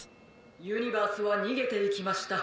「ユニバースはにげていきました。